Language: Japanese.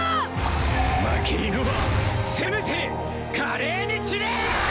負け犬はせめて華麗に散れ！